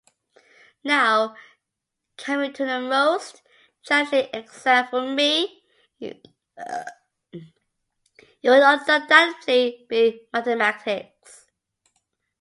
Now, coming to the most challenging exam for me, it would undoubtedly be mathematics.